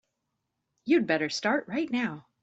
You'd better start right now.